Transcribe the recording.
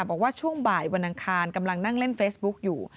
บอกว่าช่วงบ่ายวันอังคารกำลังนั่งเล่นเฟซบุ๊กอยู่